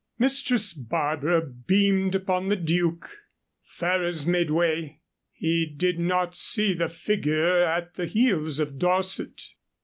Mistress Barbara beamed upon the Duke. Ferrers made way; he did not see the figure at the heels of Dorset.